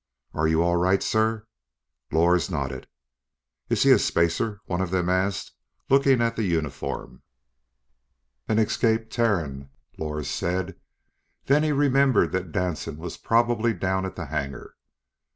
"Are you all right, sir?" Lors nodded. "Is he a spacer?" One of them asked, looking at the uniform. "An escaped Terran," Lors said, then he remembered that Danson was probably down at the hangar.